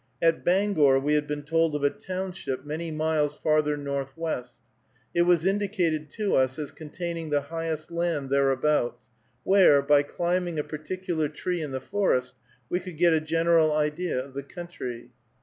At Bangor we had been told of a township many miles farther northwest; it was indicated to us as containing the highest land thereabouts, where, by climbing a particular tree in the forest, we could get a general idea of the country.